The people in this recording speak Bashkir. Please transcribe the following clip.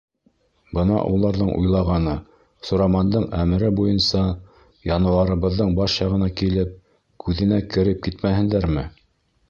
Бына уларҙың уйлағаны, Сурамандың әмере буйынса, януарыбыҙҙың баш яғына килеп, күҙенә кереп китмәһендәрме!